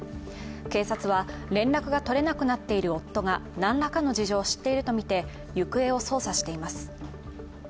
警察は連絡が取れなくなっている夫が何らかの事情を知っているとみて行方を捜査しています。